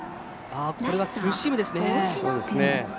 これはツーシームですね。